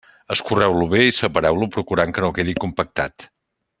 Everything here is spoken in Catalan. Escorreu-lo bé i separeu-lo, procurant que no quedi compactat.